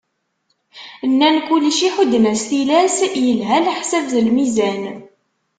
Nnan kulci ḥudden-as tilas, yelha leḥsab d lmizan.